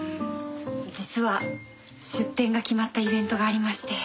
実は出店が決まったイベントがありまして。